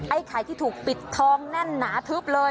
ไข่ที่ถูกปิดทองแน่นหนาทึบเลย